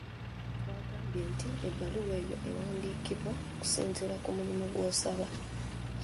Twagambye nti ebbaluwa eyo ewandiikibwa okusinziira ku mulimu gw'osaba.